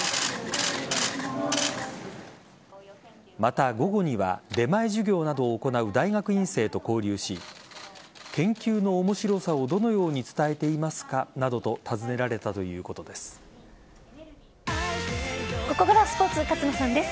また、午後には出前授業などを行う大学院生と交流し研究の面白さをどのように伝えていますかなどとここからはスポーツ勝野さんです。